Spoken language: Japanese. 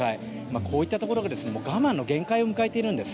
こういったところは我慢の限界を迎えているんです。